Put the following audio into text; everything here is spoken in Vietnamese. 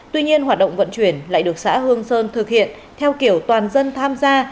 tuy nhiên hoạt động vận chuyển lại được xã hương sơn thực hiện theo kiểu toàn dân tham gia